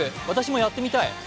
私もやってみたい。